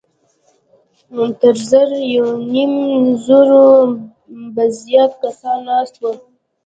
تر زر يونيم زرو به زيات کسان ناست وو.